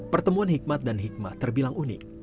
pertemuan hikmat dan hikmat terbilang unik